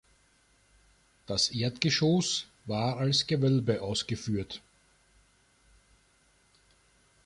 Das Erdgeschoss war als Gewölbe ausgeführt.